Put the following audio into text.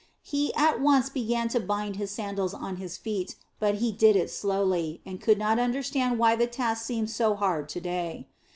He at once began to bind his sandals on his feet, but he did it slowly, and could not understand why the task seemed so hard to day.